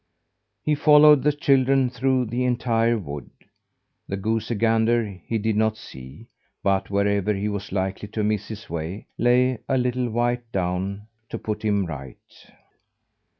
He followed the children through the entire wood. The goosey gander he did not see; but wherever he was likely to miss his way, lay a little white down to put him right.